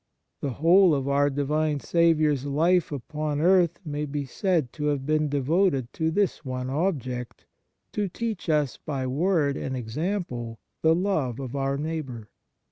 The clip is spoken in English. The whole of our Divine Saviour s life upon earth may be said to have been devoted to this one object: to teach us by 127 THE MARVELS OF DIVINE GRACE word and example the love of our neigh bour.